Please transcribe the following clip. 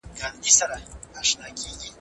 عنکبوت 🕸️